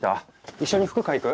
一緒に服買いに行く？